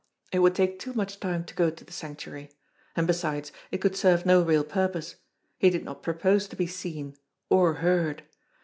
It would take too much time to go to the Sanctuary ; and, besides, it could serve no real purpose. He did not propose to be seen or heard.